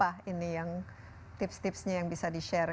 apa ini yang tips tipsnya yang bisa di share